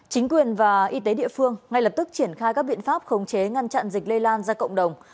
chính quyền và y tế địa phương ngay lập tức triển khai các biện pháp khống chế ngăn chặn dịch lây lan ra cộng đồng